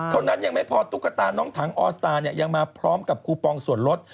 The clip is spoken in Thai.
เท่านั้นยังไม่พอตุ๊กตาน้องถังออสตาร์เนี่ยยังมาพร้อมกับคูปองส่วนลด